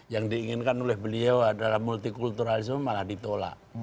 yang diinginkan oleh beliau adalah multi kulturalisme malah ditolak